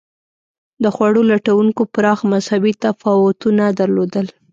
د خوړو لټونکو پراخ مذهبي تفاوتونه درلودل.